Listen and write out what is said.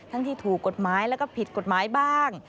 ทั้งที่ถูกกฎไม้และก็ผิดกฎไม้บ้าง